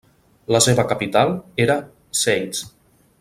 La seva capital era Zeitz.